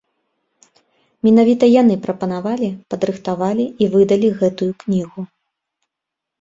Менавіта яны прапанавалі, падрыхтавалі і выдалі гэтую кнігу.